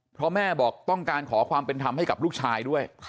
เพราะแม่บอกต้องการขอความเป็นธรรมให้กับลูกชายด้วย